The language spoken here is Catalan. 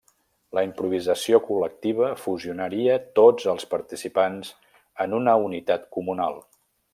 La improvisació col·lectiva fusionaria tots els participants en una unitat comunal.